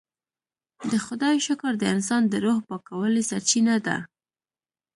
د خدای شکر د انسان د روح پاکوالي سرچینه ده.